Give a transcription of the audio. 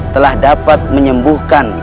telah dapat menyembuhkan